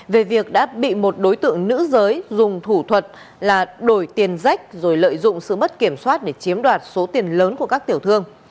về việc đã bị một đối tượng nữ giới dùng thủ thuật là đổi tiền rách rồi lợi dụng sự mất kiểm soát để chiếm đoạt số tiền lớn của các tiểu thương